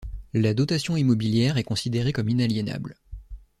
La dotation immobilière est considérée comme inaliénable.